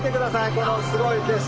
このすごい景色！